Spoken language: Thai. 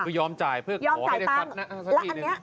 คือยอมจ่ายเพื่อขอให้ได้ฟัดหน้าสักทีนึง